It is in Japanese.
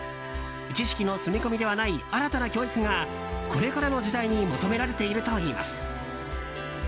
知識の詰め込みではない新たな教育がこれからの時代に求められているといいます。